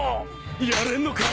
やれんのか？